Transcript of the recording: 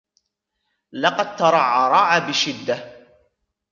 لقد ترعرع بشدة.